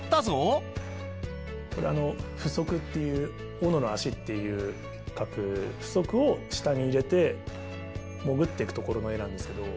これあの斧足っていう斧の足って書く斧足を下に入れて潜ってくところの画なんですけど。